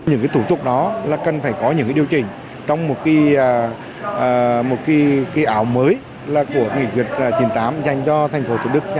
những thủ tục đó là cần phải có những điều chỉnh trong một cái ảo mới của nghị quyết chín mươi tám dành cho tp hcm